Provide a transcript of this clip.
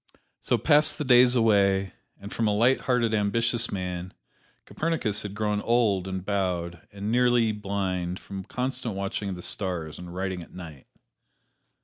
So passed the days away, and from a light hearted, ambitious man, Copernicus had grown old and bowed, and nearly blind from constant watching of the stars and writing at night.